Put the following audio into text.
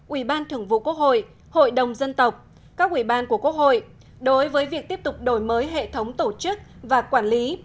ủy ban thường vụ quốc hội hội đồng dân tộc các ủy ban của quốc hội đối với việc tiếp tục đổi mới hệ thống tổ chức và quản lý